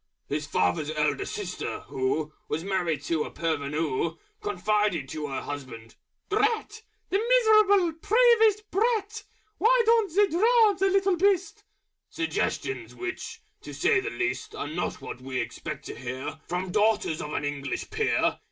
His father's Elder Sister, who Was married to a Parvenoo, Confided to Her Husband, "Drat! The Miserable, Peevish Brat! Why don't they drown the Little Beast?" Suggestions which, to say the least, Are not what we expect to hear From Daughters of an English Peer.